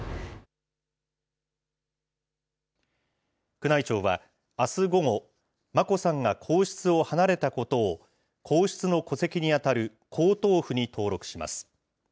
宮内庁は、あす午後、眞子さんが皇室を離れたことを、皇室の戸籍に当たる皇統譜に登録します。